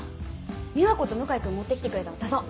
美和子と向井君持ってきてくれたの出そう！